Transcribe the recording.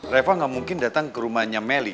reva gak mungkin datang ke rumahnya melly